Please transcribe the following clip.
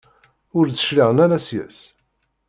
Ur d-cliɛen ara seg-s?